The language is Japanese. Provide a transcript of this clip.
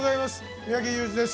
三宅裕司です。